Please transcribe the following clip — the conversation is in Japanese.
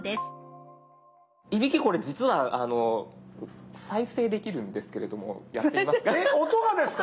いびきこれ実は再生できるんですけれどもやってみますか？